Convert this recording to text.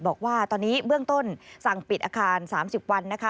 บอกว่าตอนนี้เบื้องต้นสั่งปิดอาคาร๓๐วันนะคะ